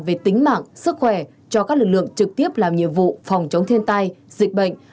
về tính mạng sức khỏe cho các lực lượng trực tiếp làm nhiệm vụ phòng chống thiên tai dịch bệnh